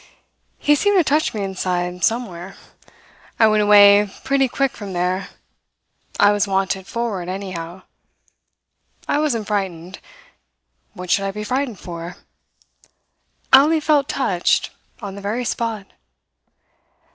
He seemed to touch me inside somewhere. I went away pretty quick from there; I was wanted forward anyhow. I wasn't frightened. What should I be frightened for? I only felt touched on the very spot.